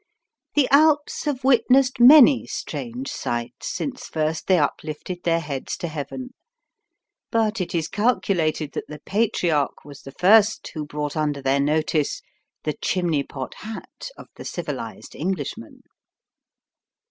The Alps have witnessed many strange sights since first they uplifted their heads to heaven. But it is calculated that the Patriarch was the first who brought under their notice the chimney pot hat of the civilised Englishman.